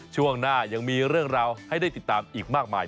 ช่วงหน้ายังมีเรื่องราวให้ได้ติดตามอีกมากมาย